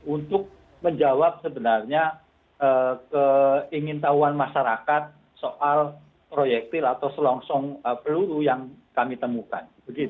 untuk menjawab sebenarnya keingin tahuan masyarakat soal proyektil atau selongsong peluru yang kami temukan